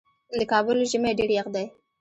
د کابل ژمی ډیر یخ دی